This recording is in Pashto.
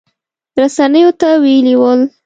رسنیو ته ویلي ول